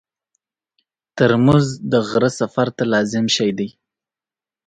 ترموز د غره سفر ته لازم شی دی.